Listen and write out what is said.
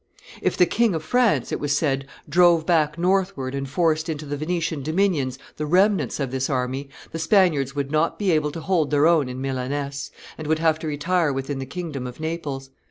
If the King of France, it was said, drove back northward and forced into the Venetian dominions the remnants of this army, the Spaniards would not be able to hold their own in Milaness, and would have to retire within the kingdom of Naples.